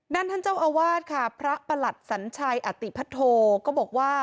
ท่านเจ้าอาวาสค่ะพระประหลัดสัญชัยอติพัทโธก็บอกว่า